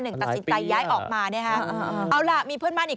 คุณธนทัศน์เล่ากันหน่อยนะคะ